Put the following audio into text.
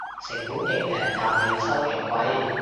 成本勁平但係收勁貴